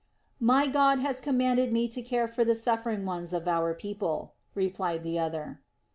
"My God has commanded me to care for the suffering ones of our people," replied the other.